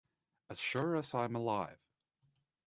As sure as I am alive.